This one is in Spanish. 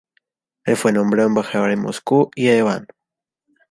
El fue nombrado embajador en Moscú y Ereván.